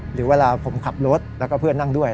หรือเวลาผมขับรถแล้วก็เพื่อนนั่งด้วย